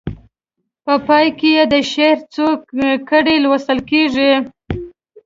په پای کې یې د شعر څو کړۍ لوستل کیږي.